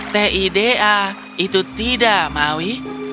t i d a itu tidak maui